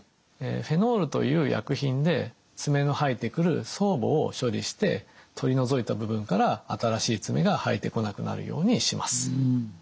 フェノールという薬品で爪の生えてくる爪母を処理して取り除いた部分から新しい爪が生えてこなくなるようにします。